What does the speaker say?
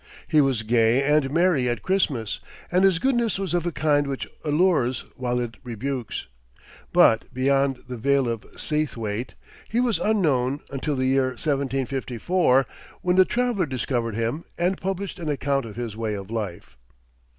He was gay and merry at Christmas, and his goodness was of a kind which allures while it rebukes. But beyond the vale of Seathwaite, he was unknown until the year 1754, when a traveler discovered him, and published an account of his way of life.